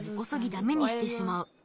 ダメにしてしまう。